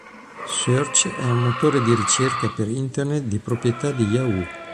Search è un motore di ricerca per internet di proprietà di Yahoo!.